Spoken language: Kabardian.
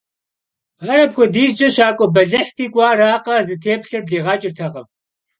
Ar apxuedizç'e şak'ue belıhti, k'uearakhe, zıtêplhar bliğeç'ırtekhım.